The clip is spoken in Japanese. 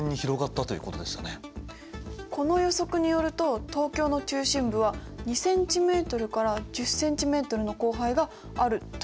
この予測によると東京の中心部は２ｃｍから１０ｃｍの降灰があるということになりますね。